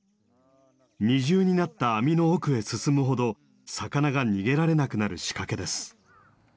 二重になった網の奥へ進むほど魚が逃げられなくなる仕掛けです。